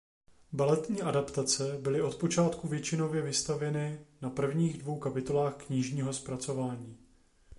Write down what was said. Baletní adaptace byly od počátku většinově vystavěny na prvních dvou kapitolách knižního zpracování.